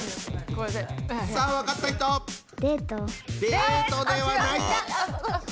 デートではない。